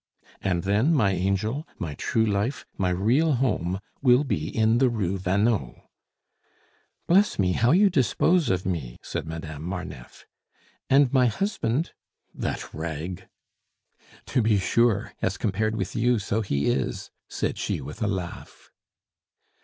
"And then, my angel, my true life, my real home will be in the Rue Vanneau." "Bless me, how you dispose of me!" said Madame Marneffe. "And my husband " "That rag!" "To be sure, as compared with you so he is!" said she with a laugh.